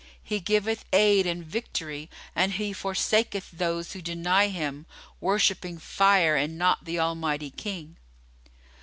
He giveth aid and victory and He forsaketh those who deny Him, worshipping Fire and not the Almighty King!"